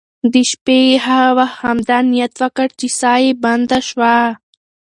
د شپې یې هغه وخت همدا نیت وکړ چې ساه یې بنده شوه.